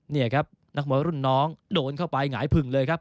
นี่ครับนักมวยรุ่นน้องโดนเข้าไปหงายผึ่งเลยครับ